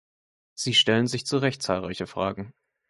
Sie stellen sich zu Recht zahlreiche Fragen.